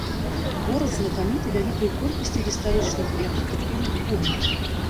Горад знакаміты вялікай колькасцю гістарычных і архітэктурных помнікаў.